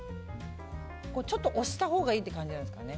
ちょっと押したほうがいい感じなんですかね。